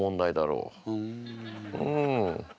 うん。